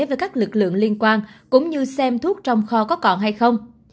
với các lực lượng liên quan cũng như xem thuốc trong kho có còn hay không